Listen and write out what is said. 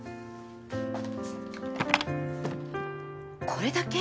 これだけ？